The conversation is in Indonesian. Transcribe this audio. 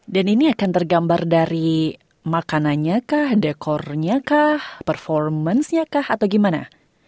dan ini akan tergambar dari makanannya kah dekornya kah performance nya kah atau gimana